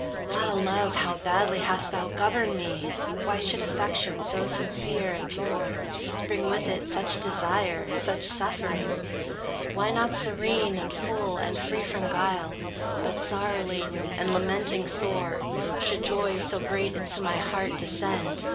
Ah, Love, how badly hast thou governed me! Why should affection so sincere and pure, Bring with it such desire, such suffering? Why not serene, and full, and free from guile But sorrow laden, and lamenting sore, Should joy so great into my heart descend?